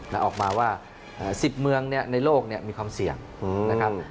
แล้วออกมาว่า๑๐เมืองในโลกมีความเสี่ยง